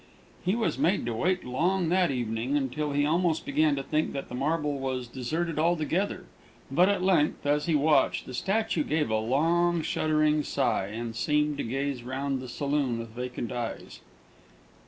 He was made to wait long that evening, until he almost began to think that the marble was deserted altogether; but at length, as he watched, the statue gave a long, shuddering sigh, and seemed to gaze round the saloon with vacant eyes.